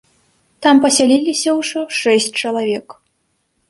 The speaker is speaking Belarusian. Там пасяліліся ўжо шэсць чалавек.